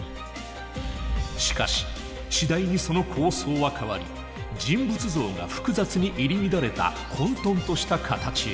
しかし次第にその構想は変わり人物像が複雑に入り乱れた混とんとした形へ。